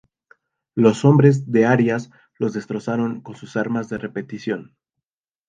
Los hombres de Arias los destrozaron con sus armas de repetición.